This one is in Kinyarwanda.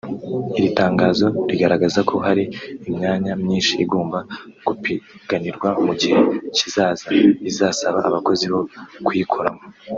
Iri tangazo rigaragaza ko hari imyanya myinshi igomba gupiganirwa mu gihe kizaza izasaba abakozi bo kuyikoramo